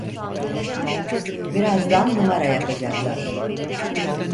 Birazdan numara yapacaklar!